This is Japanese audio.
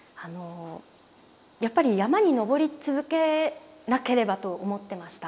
やっぱり山に登り続けなければと思ってました。